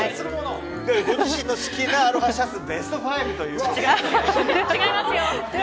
ご自身の好きなアロハシャツベスト５ということで。